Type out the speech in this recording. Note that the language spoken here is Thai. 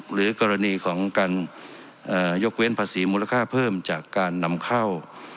หรือกรณีของการยกเว้นภาษีมูลค่าเพิ่มจากการนำเข้า